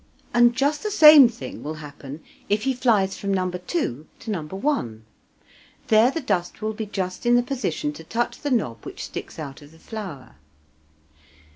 And just the same thing will happen if he flies from No. 2 to No. 1. There the dust will be just in the position to touch the knob which sticks out of the flower.